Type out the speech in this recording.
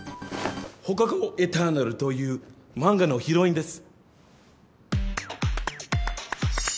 『放課後エターナル』という漫画のヒロインです。